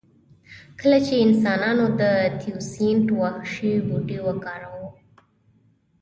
کله چې انسانانو د تیوسینټ وحشي بوټی وکاراوه